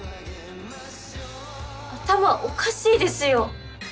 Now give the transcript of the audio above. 頭おかしいですよ。